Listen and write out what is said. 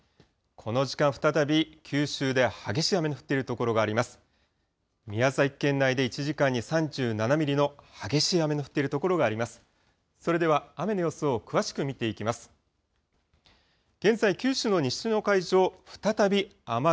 この時間、再び九州で激しい雨の降っている所があります。